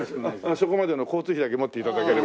そこまでの交通費だけ持って頂ければ。